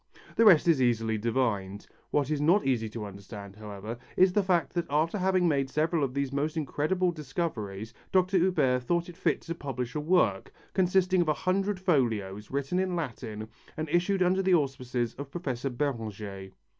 The rest is easily divined. What is not easy to understand, however, is the fact that after having made several of these most incredible discoveries Dr. Huber thought fit to publish a work, consisting of a hundred folios, written in Latin and issued under the auspices of Professor Béranger.